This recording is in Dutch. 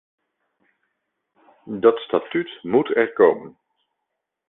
Dat statuut moet er komen.